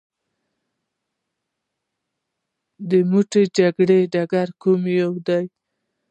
د موته جګړې ډګر کوم یو دی.